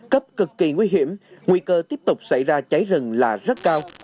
cấp cực kỳ nguy hiểm nguy cơ tiếp tục xảy ra cháy rừng là rất cao